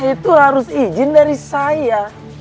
itu harus izin dari saya